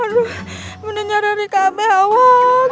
aduh bener bener rikah mehawak